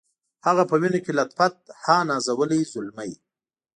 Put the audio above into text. هغه په وینو کي لت پت ها نازولی زلمی